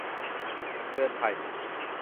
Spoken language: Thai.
เตือนภัย